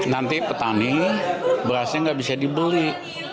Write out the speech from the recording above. nanti petani berasnya nggak bisa dibeli